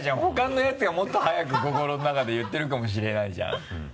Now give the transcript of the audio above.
他のヤツがもっと速く心の中で言ってるかもしれないじゃん。